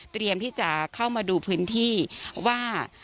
ที่จะเข้ามาดูพื้นที่ว่า